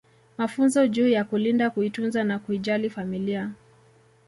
Mafunzo juu ya kulinda kuitunza na kuijali familia